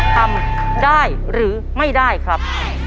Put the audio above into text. ทำได้หรือไม่ได้ครับ